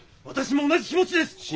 私も同じ気持ちです！